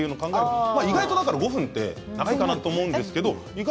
意外とだから５分って長いかなと思うんですけど。